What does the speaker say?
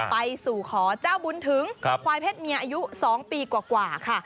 ไปสู่ขอเจ้าบุญถึงควายเพศเมียอายุ๒ปีกว่าค่ะ